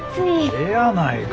えやないか。